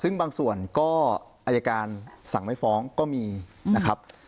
ซึ่งบางส่วนก็อายการสั่งไม่ฟ้องก็มีนะครับ